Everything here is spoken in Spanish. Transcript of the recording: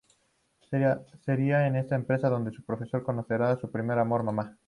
Sería en esta empresa donde el profesor conocería a su primer amor: Mamá.